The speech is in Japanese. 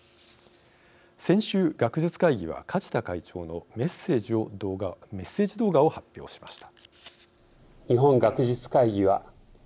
先週、学術会議は梶田会長のメッセージ動画を発表しました。